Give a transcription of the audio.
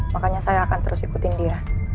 makanya saya akan terus ikutin dia